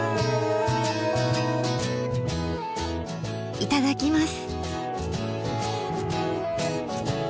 いただきます。